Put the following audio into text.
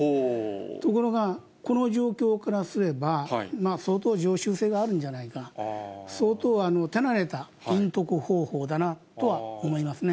ところが、この状況からすれば、相当常習性があるんじゃないか、相当手慣れた隠匿方法だなとは思いますね。